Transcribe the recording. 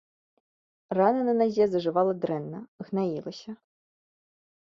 Рана на назе зажывала дрэнна, гнаілася.